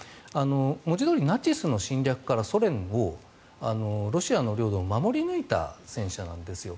文字どおりナチスの侵略からソ連をロシアの領土を守り抜いた戦車なんですよ。